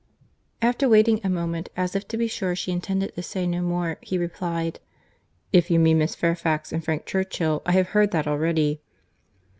After waiting a moment, as if to be sure she intended to say no more, he replied, "If you mean Miss Fairfax and Frank Churchill, I have heard that already."